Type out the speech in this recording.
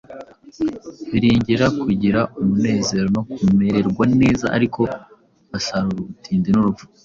Biringira kugira umunezero no kumererwa neza; ariko basarura ubutindi n’urupfu.